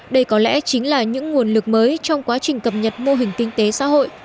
đây có lẽ chính là những nguồn lực mới trong quá trình cập nhật mô hình kinh tế xã hội